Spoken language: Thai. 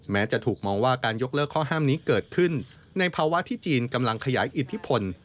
แม้จะถูกมองว่าการยกเลิกข้อห้ามนี้เกิดขึ้นในภาวะที่จีนกำลังขยายอิทธิพล